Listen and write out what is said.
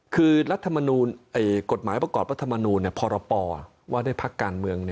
คือกฎหมายประกอบรัฐมานูพรปอว่าในภาคการเมือง